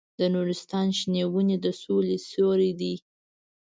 د نورستان شنې ونې د سولې سیوري دي.